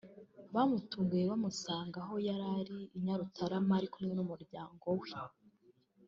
bamutunguye bamusanga aho yari i Nyarutarama ari kumwe n’umuryango we